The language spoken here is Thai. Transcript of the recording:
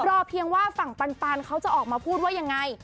รอเพียงว่าฝั่งปันเขาจะออกมาพูดว่ายังไง